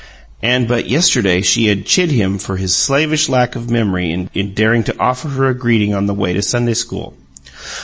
And but yesterday she had chid him for his slavish lack of memory in daring to offer her a greeting on the way to Sunday school.